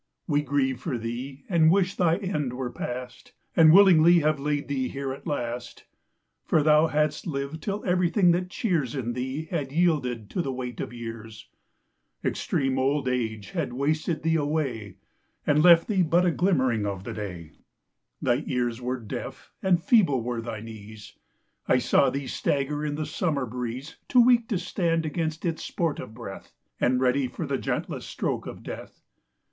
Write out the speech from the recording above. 10 We grieved for thee, and wished thy end were past; And willingly have laid thee here at last: For thou hadst lived till every thing that cheers In thee had yielded to the weight of years; Extreme old age had wasted thee away, 15 And left thee but a glimmering of the day; Thy ears were deaf, and feeble were thy knees, I saw thee stagger in the summer breeze, Too weak to stand against its sportive breath, And ready for the gentlest stroke of death.